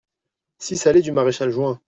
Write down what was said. six allée du Maréchal Juin